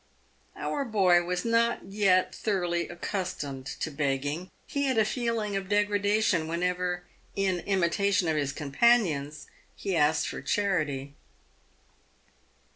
Our boy was not yet thoroughly accustomed to begging. He had a feeling of degradation whenever, in imitation of his companions, he asked for charity.